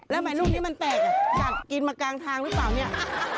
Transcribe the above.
แล้วหมายลูกนี้มันแตกอ่ะกัดกินมากลางทางหรือเปล่าเนี่ย